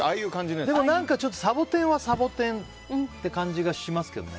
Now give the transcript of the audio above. でも、サボテンはサボテンって感じがしますけどね。